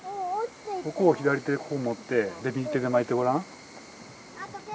ここを左手でここ持って右手で巻いてごらん。